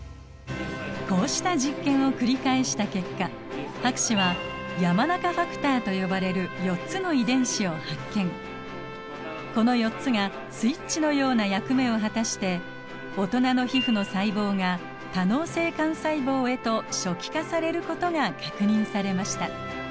こうした実験を繰り返した結果博士はこの４つがスイッチのような役目を果たして大人の皮膚の細胞が多能性幹細胞へと初期化されることが確認されました。